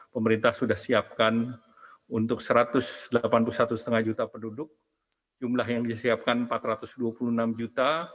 pemerintah sudah siapkan untuk satu ratus delapan puluh satu lima juta penduduk jumlah yang disiapkan empat ratus dua puluh enam juta